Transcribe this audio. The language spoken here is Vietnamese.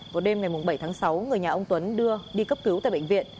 hôm bảy tháng sáu người nhà ông tuấn đưa đi cấp cứu tại bệnh viện